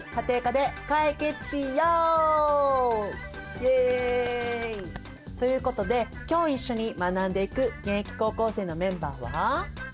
イエイ！ということで今日一緒に学んでいく現役高校生のメンバーは？